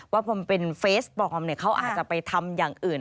ว่าความเป็นเฟสปลอมเนี่ยเขาอาจจะไปทำอย่างอื่น